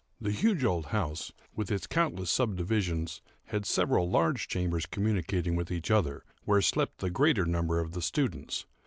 The huge old house, with its countless subdivisions, had several large chambers communicating with each other, where slept the greater number of the students.